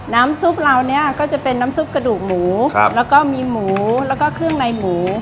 น้ำซุปเราเนี่ยก็จะเป็นน้ำซุปกระดูกหมูแล้วก็มีหมูแล้วก็เครื่องในหมู